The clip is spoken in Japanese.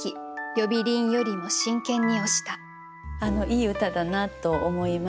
いい歌だなと思いました。